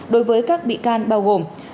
đối với các bị can bao gồm